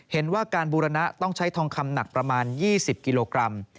เห็นว่าการบูรณะต้องใช้ทองคำหนักประมาณ๒๐กิโลกรัม